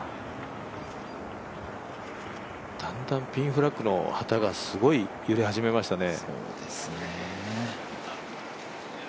だんだんピンフラッグの旗がすごい揺れ始めましたね。